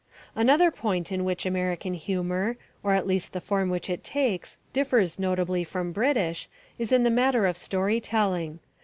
Another point in which American humour, or at least the form which it takes, differs notably from British, is in the matter of story telling.